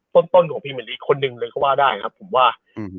ต้นของพีเมอร์รีคนหนึ่งเรียกว่าได้ครับผมว่า